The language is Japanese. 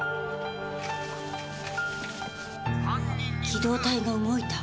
機動隊が動いた。